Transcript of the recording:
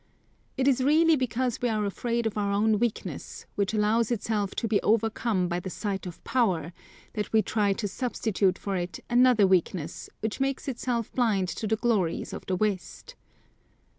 It is really because we are afraid of our own weakness, which allows itself to be overcome by the sight of power, that we try to substitute for it another weakness which makes itself blind to the glories of the West.